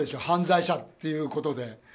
犯罪者っていうことで。